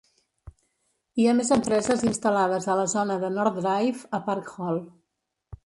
Hi ha més empreses instal·lades a la zona de North Drive, a Park Hall.